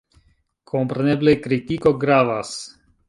Kompreneble, kritiko gravas.